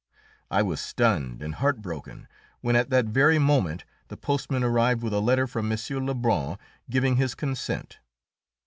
I was stunned and heartbroken, when at that very moment the postman arrived with a letter from M. Lebrun giving his consent.